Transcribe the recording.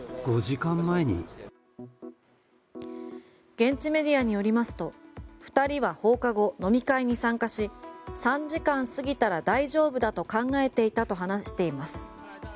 現地メディアによりますと２人は放課後、飲み会に参加し３時間過ぎたら大丈夫だと考えていたと話しています。